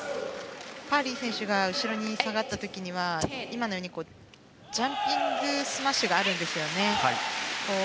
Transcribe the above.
パーリー選手が後ろに下がった時はジャンピングスマッシュがあるんですよね。